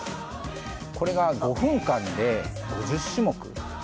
これが５分間で５０種目。